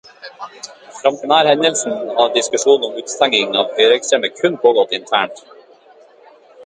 Frem til denne hendelsen hadde diskusjonen om utestenging av høyreekstreme kun pågått internt.